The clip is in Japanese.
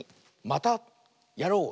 「またやろう！」。